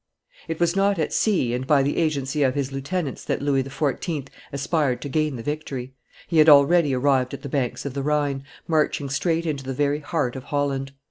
It was not at sea and by the agency of his lieutenants that Louis XIV. aspired to gain the victory; he had already arrived at the banks of the Rhine, marching straight into the very heart of Holland.